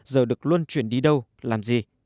giờ được luân chuyển đi đâu làm gì